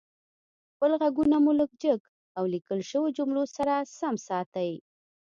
خپل غږونه مو لږ جګ او ليکل شويو جملو سره سم ساتئ